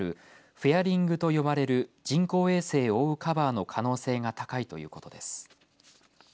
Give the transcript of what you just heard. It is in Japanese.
フェアリングと呼ばれる人工衛星を覆うカバーの可能性が高いということです。